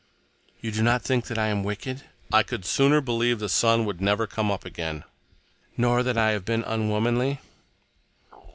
"You do not think that I am wicked?" "I could sooner believe the sun would never come up again." "Nor that I have been unwomanly?"